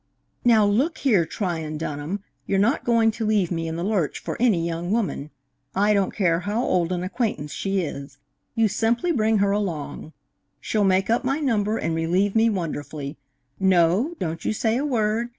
"Now, look here, Tryon Dunham, you're not going to leave me in the lurch for any young woman. I don't care how old an acquaintance she is! You simply bring her along. She'll make up my number and relieve me wonderfully. No, don't you say a word.